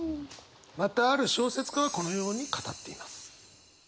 またある小説家はこのように語っています。